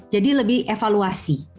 jadi lebih evaluasi